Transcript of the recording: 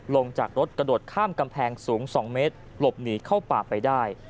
ลงจากรถกระโดดข้ามกำแพงสูง๒เมตรหลบหนีเข้าป่าไปได้